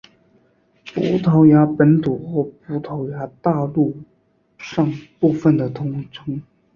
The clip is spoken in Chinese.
葡萄牙本土或葡萄牙大陆上部分的通称。